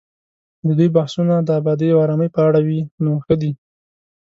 که د دوی بحثونه د ابادۍ او ارامۍ په اړه وي، نو ښه دي